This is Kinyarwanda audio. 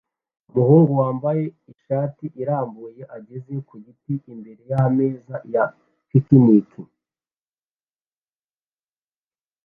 Umuhungu wambaye t-shati irambuye ahagaze ku giti imbere yameza ya picnic